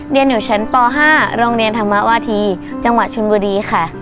เรียนอยู่ชั้นป๕โรงเรียนธรรมวาธีจังหวัดชนบุรีค่ะ